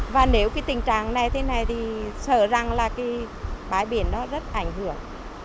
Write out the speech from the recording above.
và nếu tình trạng này thế này thì sợ rằng bãi biển đó rất ảnh hưởng